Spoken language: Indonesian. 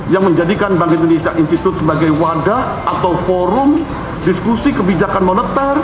yang menjadikan bank indonesia institute sebagai wadah atau forum diskusi kebijakan moneter